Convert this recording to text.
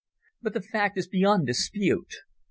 But the fact is beyond dispute.